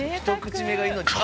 一口目が命。